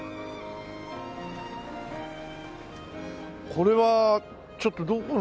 これはちょっとどこに。